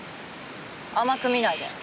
甘く見ないで。